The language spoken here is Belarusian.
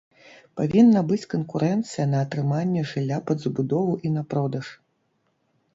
Павінна быць канкурэнцыя на атрыманне жылля пад забудову і на продаж.